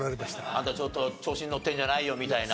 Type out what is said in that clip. あんたちょっと調子に乗ってんじゃないよみたいな。